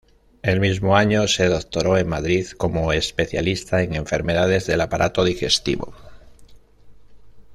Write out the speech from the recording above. El mismo año, se doctoró en Madrid como especialista en enfermedades del aparato digestivo.